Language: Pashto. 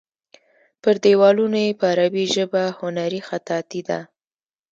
پر دیوالونو یې په عربي ژبه هنري خطاطي ده.